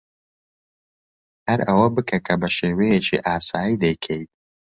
ھەر ئەوە بکە کە بە شێوەیەکی ئاسایی دەیکەیت.